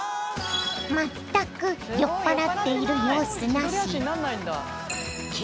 全く酔っ払っている様子なし。